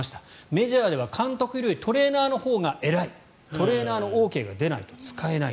メジャーでは監督よりトレーナーのほうが偉いトレーナーのＯＫが出ないと使えない。